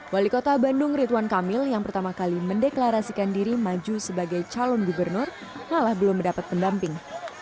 wali kota bandung ridwan kamil yang pertama kali mendeklarasikan diri maju sebagai calon gubernur malah belum mendapat pendamping